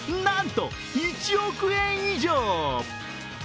なんと１億円以上。